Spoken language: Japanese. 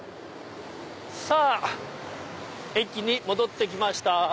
さぁ駅に戻って来ました。